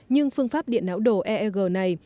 nhưng phương pháp điện não đồ eeg này